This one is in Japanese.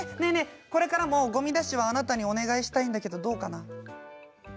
これからも、ごみ出しはあなたにお願いしたいんだけどどうかな？